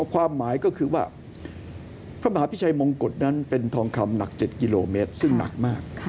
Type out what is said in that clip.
ความหมายก็คือว่าพระมหาพิชัยมงกุฎนั้นเป็นทองคำหนัก๗กิโลเมตรซึ่งหนักมาก